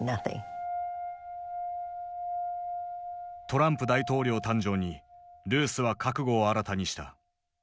トランプ大統領誕生にルースは覚悟を新たにした。